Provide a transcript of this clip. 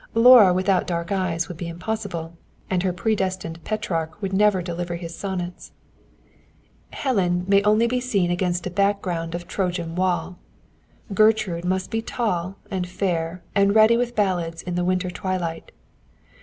Laura without dark eyes would be impossible, and her predestined Petrarch would never deliver his sonnets. Helen may be seen only against a background of Trojan wall. Gertrude must be tall and fair and ready with ballads in the winter twilight.